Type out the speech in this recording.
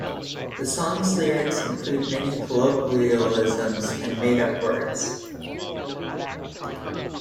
The song's lyrics include many colloquialisms and made-up words.